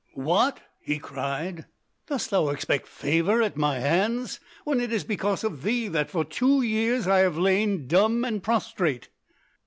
"What!" he cried, "dost thou expect favour at my hands, when it is because of thee that for two years I have lain dumb and prostrate?